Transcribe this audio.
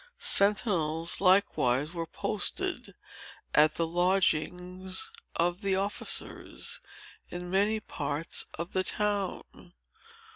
Sentinels, likewise, were posted at the lodgings of the officers, in many parts of the town.